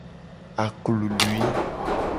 Aklului.